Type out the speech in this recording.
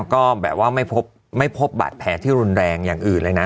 ก็แบบว่าไม่พบบาดแผลที่รุนแรงอย่างอื่นเลยนะ